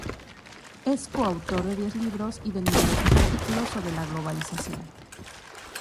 Es co-autor de diez libros y de numerosos artículos sobre la globalización.